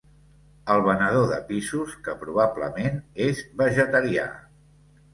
El venedor de pisos que probablement és vegetarià.